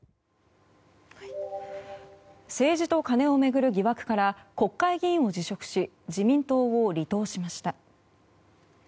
政治とカネを巡る疑惑から国会議員を辞職し自民党を離党しました。